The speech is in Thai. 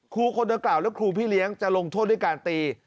ครูคนดังกล่าวและครูพี่เลี้ยงจะลงโทษด้วยการตี